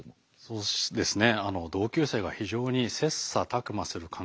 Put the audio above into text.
そうですね。